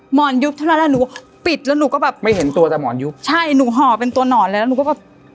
หมอนยุบเท่านั้นแหละหนูก็ปิดแล้วหนูก็แบบไม่เห็นตัวแต่หมอนยุบใช่หนูห่อเป็นตัวหนอนเลยแล้วหนูก็แบบ